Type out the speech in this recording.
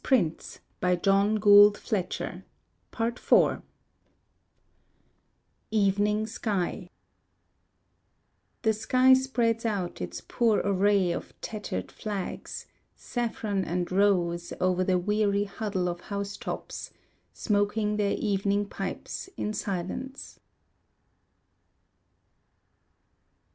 Part IV Evening Sky The sky spreads out its poor array Of tattered flags, Saffron and rose Over the weary huddle of housetops Smoking their evening pipes in silence.